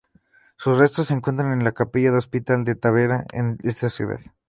Sus restos se encuentran en la capilla del Hospital de Tavera de esta ciudad.